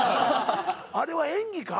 あれは演技か？